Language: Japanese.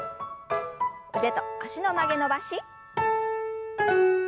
腕と脚の曲げ伸ばし。